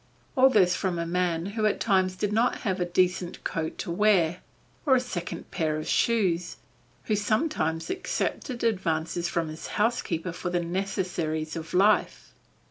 [F] All this from a man who at times did not have a decent coat to wear, or a second pair of shoes; who sometimes accepted advances from his housekeeper for the necessaries of life.